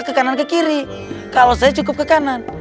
ke kanan ke kiri kalau saya cukup ke kanan